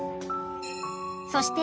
［そして］